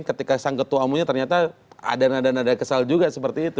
ketika sang ketua umumnya ternyata ada nada nada kesal juga seperti itu